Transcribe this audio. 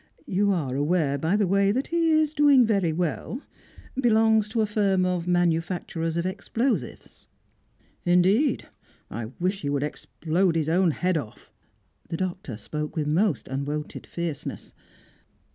You are aware, by the bye, that he is doing very well belongs to a firm of manufacturers of explosives?" "Indeed? I wish he would explode his own head off." The Doctor spoke with most unwonted fierceness.